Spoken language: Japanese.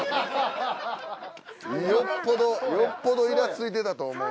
よっぽどイラついてたと思う。